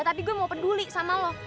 tapi gue mau peduli sama lo